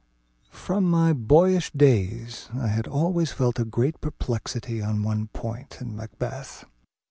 From my boyish days I had always felt a great perplexity on one point in Macbeth.